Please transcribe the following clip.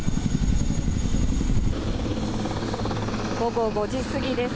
午後５時過ぎです。